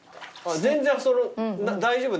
全然大丈夫？